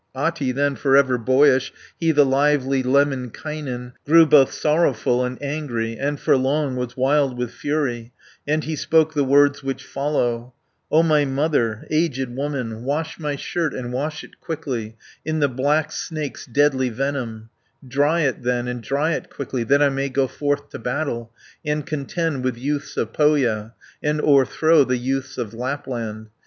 Ahti then, for ever boyish, He the lively Lemminkainen, Grew both sorrowful and angry, And for long was wild with fury, And he spoke the words which follow: "O my mother, aged woman, 30 Wash my shirt, and wash it quickly In the black snake's deadly venom, Dry it then, and dry it quickly That I may go forth to battle, And contend with youths of Pohja, And o'erthrow the youths of Lapland.